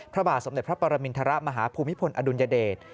พระบาทสมเด็จพระปรมินทรมาฮภูมิพลอดุลยเดช